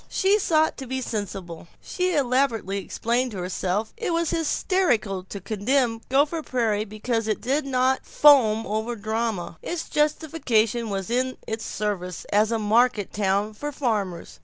She sought to be sensible; she elaborately explained to herself that it was hysterical to condemn Gopher Prairie because it did not foam over the drama. Its justification was in its service as a market town for farmers.